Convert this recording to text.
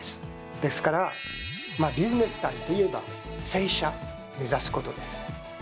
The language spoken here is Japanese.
ですからビジネススタイルといえば正射目指すことです。